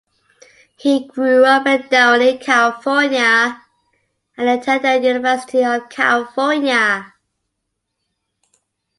He grew up in Downey, California, and attended the University of California.